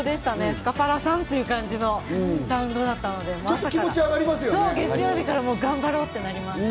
スカパラさんという感じのサウンドだったので、月曜日から頑張ろうって思います。